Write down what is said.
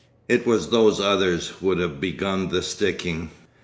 It was those others would have begun the sticking....